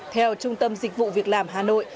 theo trung tâm dịch vụ việc làm hà nội